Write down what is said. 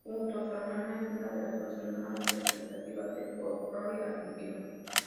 Junto a su hermana es una de las voces más representativas del folklore argentino.